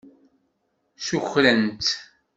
Ssukren-tt.